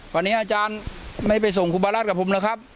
วันนี้อาจารย์ไม่ไปส่งครูบารัฐกับผมแล้วครับ